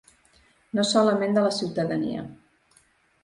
No solament de la ciutadania.